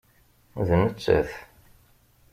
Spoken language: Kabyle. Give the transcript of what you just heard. D nettat.